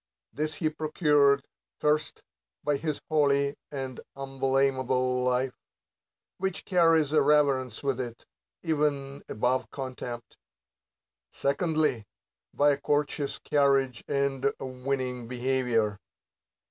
This he procures, First, by his holy and umblamable life ; which carries a reverence with it, even above contempt. Secondly, by a courteous carriage and winning beha 'ior.